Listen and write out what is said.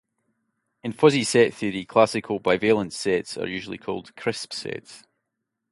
In fuzzy set theory, classical bivalent sets are usually called "crisp" sets.